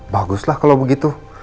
baguslah kalau begitu